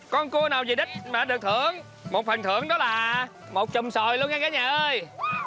con cua nào gì đích mà được thưởng một phần thưởng đó là một chùm sồi luôn nha cả nhà ơi